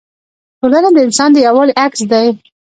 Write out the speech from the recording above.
ټولنه د انسان د یووالي عکس دی.